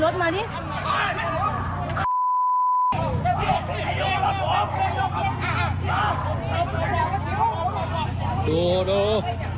ดูดู